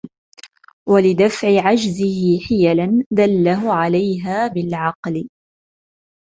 وَلِدَفْعِ عَجْزِهِ حِيَلًا دَلَّهُ عَلَيْهَا بِالْعَقْلِ